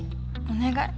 お願い。